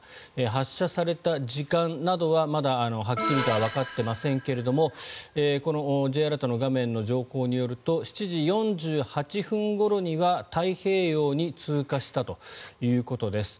発射された時間などはまだはっきりとはわかっていませんがＪアラートの画面の情報によると７時４８分ごろには太平洋に通過したということです。